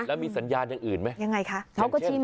ถ้ามีสัญญาณอย่างอื่นไหม